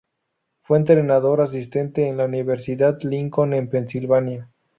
Fue entrenador asistente en la Universidad Lincoln en Pensilvania.